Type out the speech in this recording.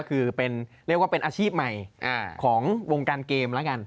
คือเป็นเรียกว่าเป็นอาชีพใหม่ของวงการเกมแล้วกัน